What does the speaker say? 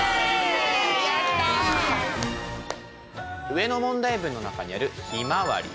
上の問題文の中にある「ひまわり」。